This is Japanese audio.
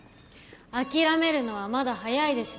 諦めるのはまだ早いでしょ。